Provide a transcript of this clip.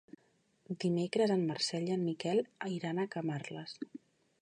Dimecres en Marcel i en Miquel iran a Camarles.